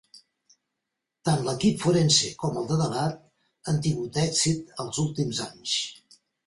Tant l'equip forense com el de debat han tingut èxit els últims anys.